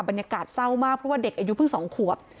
บรรยากาศเศร้ามากเพราะว่าเด็กอายุเพิ่ง๒ขวบ